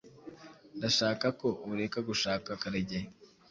Ndashaka ko ureka gushaka Karegeya.